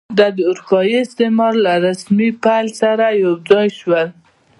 دا د اروپایي استعمار له رسمي پیل سره یو ځای شول.